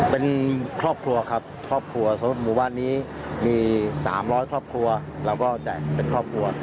เป็นครอบครัวครับครอบครัวสมมุติหมู่บ้านนี้มี๓๐๐ครอบครัวเราก็แจกเป็นครอบครัว